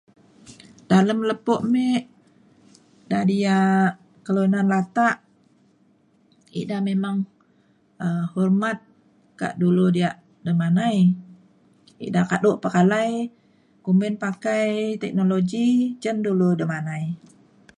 dalem lepo me da diak kelunan latak ida memang um hormat kak dulu diak demanai ida kado pekalai kumbin pakai teknologi cen dulu demanai